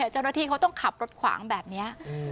เจ้าหน้าที่เขาต้องขับรถขวางแบบนี้